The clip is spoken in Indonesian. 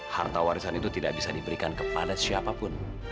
harta warisan itu tidak bisa diberikan kepada siapapun